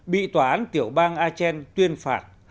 bị tòa án tiểu bang aachen tuyên phạt